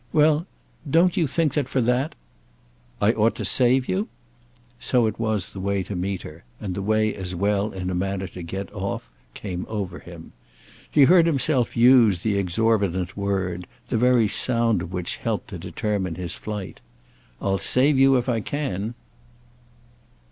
"Well, don't you think that for that—" "I ought to save you?" So it was that the way to meet her—and the way, as well, in a manner, to get off—came over him. He heard himself use the exorbitant word, the very sound of which helped to determine his flight. "I'll save you if I can."